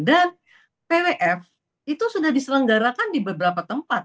dan pwf itu sudah diselenggarakan di beberapa tempat